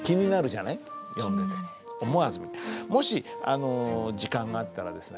それでもし時間があったらですね